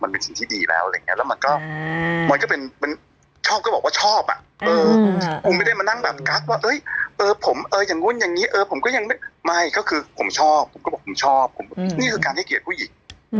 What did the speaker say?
ผมก็บอกผมชอบนี่คือการให้เกียรติผู้หญิง